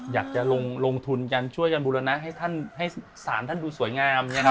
อยากจะลงทุนกันช่วยกันบุรณะให้ศาลท่านดูสวยงาม